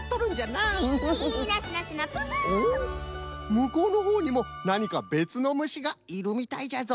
むこうのほうにもなにかべつのむしがいるみたいじゃぞ。